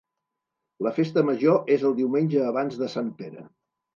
La festa major és el diumenge abans de Sant Pere.